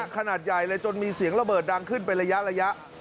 ขนาดใหญ่เลยจนมีเสียงระเบิดดังขึ้นเป็นระยะ